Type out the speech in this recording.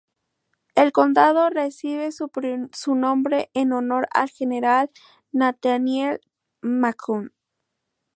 El condado recibe su nombre en honor al general Nathaniel Macon.